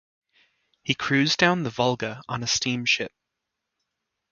He cruised down the Volga on a steamship.